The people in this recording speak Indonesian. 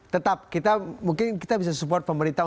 tetap kita mungkin kita bisa support pemerintah